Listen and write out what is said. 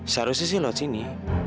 seharusnya sih lewat sini